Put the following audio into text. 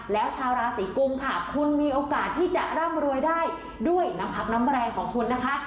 แล้วชาวราศีกุมค่ะคุณมีโอกาสที่จะร่ำรวยได้ด้วยน้ำพักน้ำแรงของคุณนะคะ